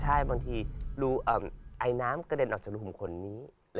ใช่บางทีไอน้ำกระเด็นออกจากหุมขนนี้